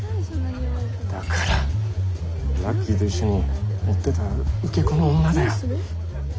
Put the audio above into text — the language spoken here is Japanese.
だからラッキーと一緒に追ってた受け子の女だよ。